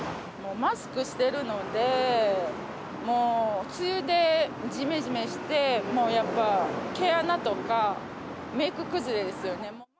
マスクしているので、もう梅雨でじめじめして、もうやっぱ毛穴とか、メーク崩れですよね。